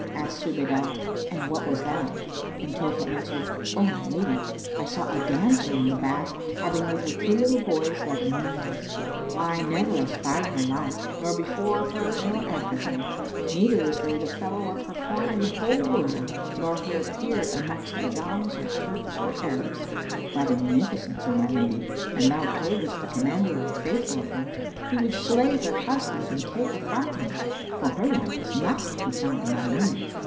Asked Zubaydah, "And what was that?" ; and Tohfah answered, "O my lady, I saw a damsel in the bath, having with her two little boys like moons, eye never espied her like, nor before her nor after her, neither is there the fellow of her form in the whole world nor her peer amongst Ajams or Turks or Arabs. By the munificence, O my lady, an thou toldest the Commander of the Faithful of her, he would slay her husband and take her from him, for her like is not to be found among women.